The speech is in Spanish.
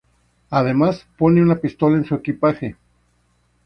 Además pone una pistola en su equipaje.